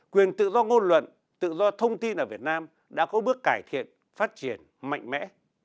quyền tự do ngôn luận tự do thông tin ở việt nam đã có bước cải thiện phát triển mạnh mẽ